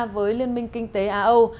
với liên minh kinh tế a âu